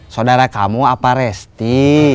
saudara kamu apa resti